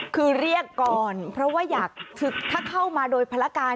คือเรียกก่อนเพราะว่าอยากถ้าเข้ามาโดยภารการ